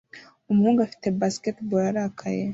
umuhungu afite basketball arakaye